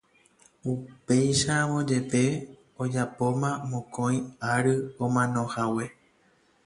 upéicharamo jepe ojapóma mokõi ary omanohague